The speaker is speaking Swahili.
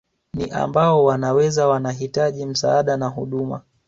Ni ambao wanaweza wanahitaji msaada na huduma